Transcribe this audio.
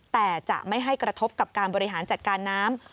แต่จะไม่ให้กระทบกับการบริหารจัดการน้ำ